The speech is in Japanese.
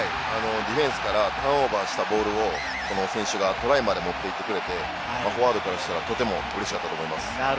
ディフェンスからターンオーバーしたボールを、この選手がトライまで持っていってくれて、フォワードからしたらとても嬉しかったと思います。